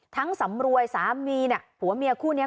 ทั้งสำรวยสามีเนี้ยผัวเมียคู่เนี้ย